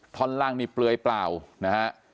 ท่อนล่างนี่เปลือยเปล่านะฮะ